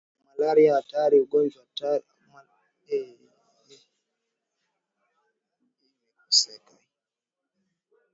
malaria ni ugonjwa hatari unaonezwa na mbu